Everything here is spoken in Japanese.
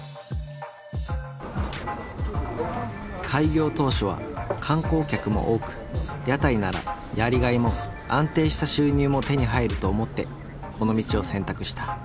開業当初は観光客も多く屋台なら「やりがい」も「安定した収入」も手に入ると思ってこの道を選択した。